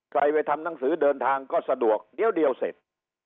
ไปทำหนังสือเดินทางก็สะดวกเดี๋ยวเสร็จ